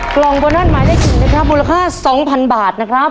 กล่องโบนัสหมายได้ถึงนะครับมูลค่า๒๐๐๐บาทนะครับ